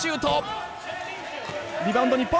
リバウンド日本！